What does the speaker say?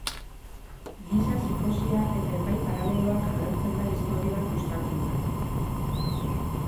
Giza psikosia eta epai paraleloak agertzen da istorioan uztartuta.